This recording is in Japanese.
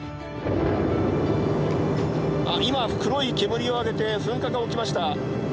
「あっ今黒い煙を上げて噴火が起きました」。